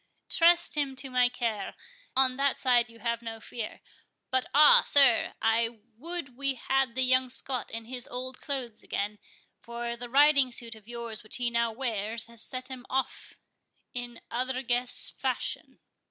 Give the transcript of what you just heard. "Trust him to my care—on that side have no fear. But ah, sir! I would we had the young Scot in his old clothes again, for the riding suit of yours which he now wears hath set him off in other guess fashion."